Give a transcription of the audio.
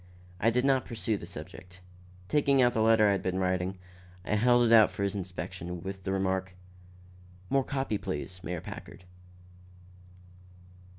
I did not pursue the subject. Taking out the letter I had been writing, I held it out for his inspection, with the remark: "More copy, please, Mayor Packard."